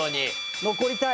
残りたい！